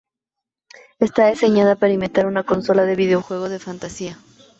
Está diseñada para imitar una "consola de videojuego de fantasía".